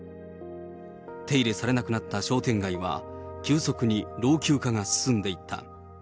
手入れされなくなった商店街は、急速に老朽化が進んでいった。